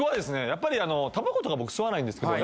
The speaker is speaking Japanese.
やっぱりあのたばことか僕吸わないんですけど。